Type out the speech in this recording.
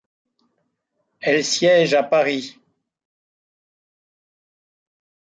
Elle siège à Paris.